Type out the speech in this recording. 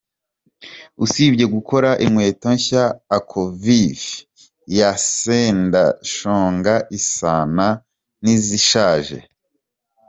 Usibye gukora inkweto nshya, Acokivi ya Sendashonga isana n’izishaje.